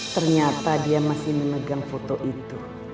ternyata dia masih memegang foto itu